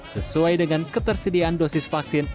sesuai dengan ketersediaan dosis vaksin